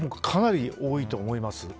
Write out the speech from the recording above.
かなり多いと思います。